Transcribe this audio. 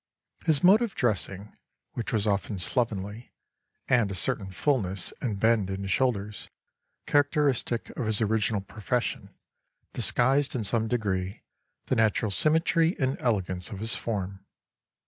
His mode of dressing, which was often slovenly, and a certain fulness and bend in his shoulders, characteristic of his original profession, disguised in some degree the natural symmetry and elegance of his form.